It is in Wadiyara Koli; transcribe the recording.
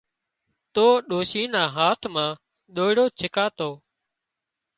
تو ڏوشي نا هاٿ مان ۮوئيڙُ ڇڪاتو